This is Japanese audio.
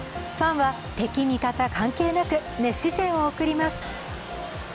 ファンは敵味方関係なく熱視線を送ります。